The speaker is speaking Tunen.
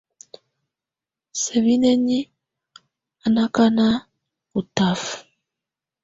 Sǝ́binǝniǝ́ á ná ákáná ɔ́ tafa.